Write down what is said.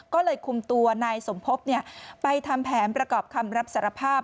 ก็เลยคุมตัวนายสมภพไปทำแผนประกอบคำรับสารภาพ